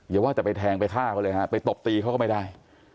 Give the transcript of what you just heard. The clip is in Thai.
อย่าว่าแต่ไปแทงไปฆ่าเขาเลยฮะไปตบตีเขาก็ไม่ได้